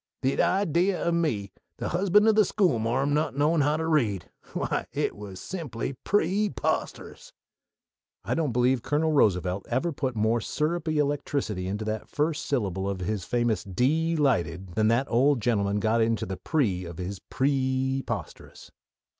The idee o' me, the husband o' the schoolmarm, not knowin' how to read why, it was simply pree posterous!" I don't believe Colonel Roosevelt ever put more syrupy electricity into the first syllable of his famous "dee lighted" than that old gentleman got into the pre of his "preeposterous."